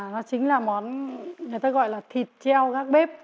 nó chính là món người ta gọi là thịt treo các bếp